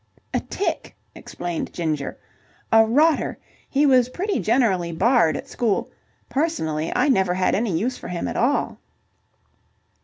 "A tick," explained Ginger. "A rotter. He was pretty generally barred at school. Personally, I never had any use for him at all."